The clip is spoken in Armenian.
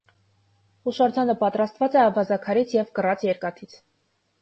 Հուշարձանը պատրաստված է ավազաքարից և կռած երկաթից։